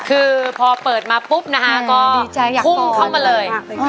คือพอเปิดมาปุ๊บนะคะก็พุ่งเข้ามาเลย